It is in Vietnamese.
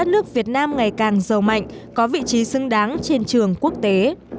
nam ngày càng giàu mạnh có vị trí xứng đáng trên trường quốc tế